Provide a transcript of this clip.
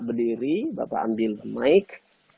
berdiri bapak ambil mic